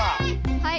はい。